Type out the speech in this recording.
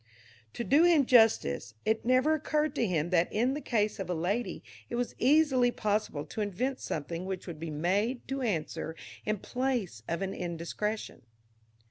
To do him justice, it never occurred to him that in the case of a lady it was easily possible to invent something which would be made to answer in place of an indiscretion.